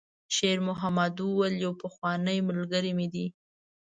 شېرمحمد وویل: «یو پخوانی ملګری مې دی.»